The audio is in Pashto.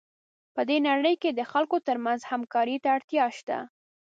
په دې نړۍ کې د خلکو ترمنځ همکارۍ ته اړتیا شته.